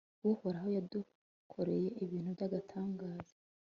uhoraho yadukoreye ibintu by'agatangaza